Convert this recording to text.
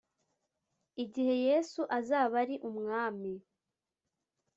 igihe Yesu azaba ari Umwami